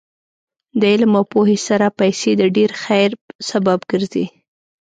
د علم او پوهې سره پیسې د ډېر خیر سبب ګرځي.